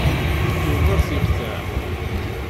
Yiwen ur t-yeqḍiɛ.